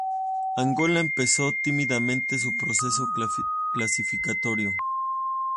Angola empezó tímidamente su proceso clasificatorio.